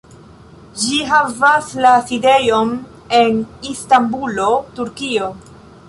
Ĝi havas la sidejon en Istanbulo, Turkio.